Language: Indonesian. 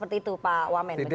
itu pak wamen